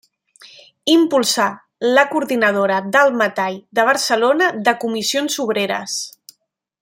Impulsà la Coordinadora del metall de Barcelona de Comissions Obreres.